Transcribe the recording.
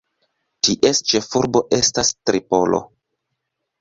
Ties ĉefurbo estas Tripolo.